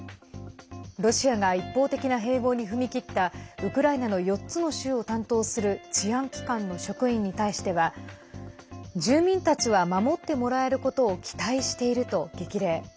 ロシアが一方的な併合に踏み切ったウクライナの４つの州を担当する治安機関の職員に対しては住民たちは守ってもらえることを期待していると激励。